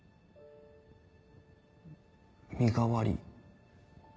身代わり？